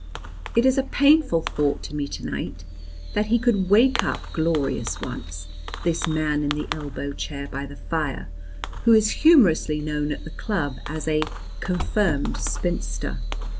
It is a painful thought to me to night, that he could wake up glorious once, this man in the elbow chair by the fire, who is humorously known at the club as a "confirmed spinster."